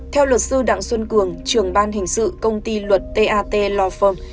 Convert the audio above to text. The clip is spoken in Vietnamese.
theo luật sư đặng xuân cường trường ban hình sự công ty luật tat law firm